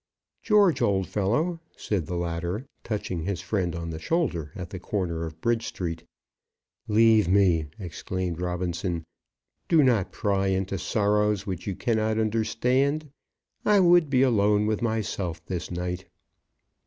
"George, old fellow!" said the latter, touching his friend on the shoulder, at the corner of Bridge Street. "Leave me!" exclaimed Robinson. "Do not pry into sorrows which you cannot understand. I would be alone with myself this night."